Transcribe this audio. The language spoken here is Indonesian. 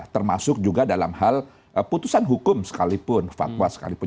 termasuk juga dalam hal putusan hukum sekalipun fatwa sekalipun